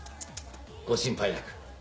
ご心配なく。